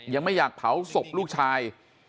ยังไม่อยากเผาศพลูกชาย